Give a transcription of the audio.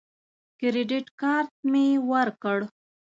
کریډټ کارت مې ورکړ.